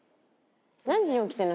何時に起きてるの？